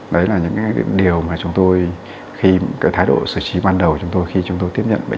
đấy là những điều mà chúng tôi khi thái độ xử trí ban đầu chúng tôi khi chúng tôi tiếp nhận bệnh